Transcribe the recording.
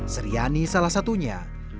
seriani salah satunya